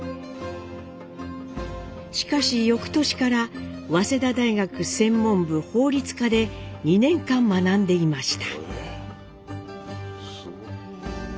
しかしよくとしから早稲田大学専門部法律科で２年間学んでいました。